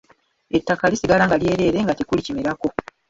Ettaka lisigala nga lyereere nga tekuli kimerako.